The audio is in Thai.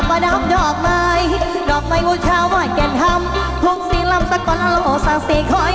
มันวาดเท้าใจมันวาดเท้าใจสาโทษกาเสียมว่า